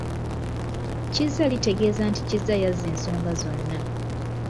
Kizza litegeeza nti Kizza y’azza ensonga zonna.